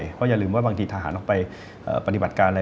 เพราะอย่าลืมว่าบางทีทหารออกไปปฏิบัติการอะไร